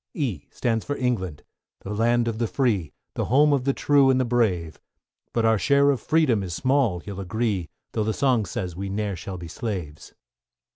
=E= stands for England, the land of the free, The home of the true and the brave; But our share of freedom is small, you'll agree, Though the song says we ne'er shall be slaves!